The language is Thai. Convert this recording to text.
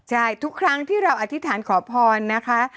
ใช่ทุกครั้งที่เราอธิษฐานขอพรนะคะ